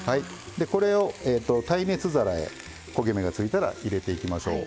これを耐熱皿へ焦げ目がついたら入れていきましょう。